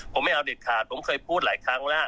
ผมไม่เอาเด็ดขาดผมเคยพูดหลายครั้งแล้ว